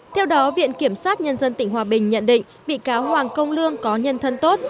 theo đó viện kiểm sát nhân dân tỉnh hòa bình nhận định bị cáo hoàng công lương có nhân thân tốt